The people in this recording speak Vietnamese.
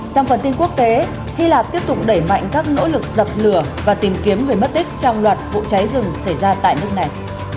trong phần tin quốc tế hy lạp tiếp tục đẩy mạnh các nỗ lực dập lửa và tìm kiếm người mất tích trong loạt vụ cháy rừng xảy ra tại nước này